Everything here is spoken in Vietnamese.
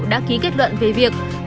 đã ký kết luận về việc